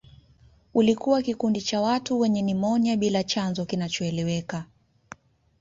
Ulikuwa kikundi cha watu wenye nimonia bila chanzo kinachoeleweka